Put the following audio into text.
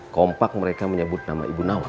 kompak mereka menyebut nama ibu nawa